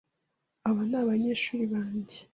Aba ni abanyeshuri banjye.